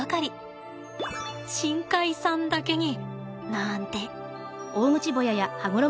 深海さんだけになんて。